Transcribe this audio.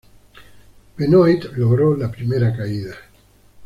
Benoit logró la primera caída.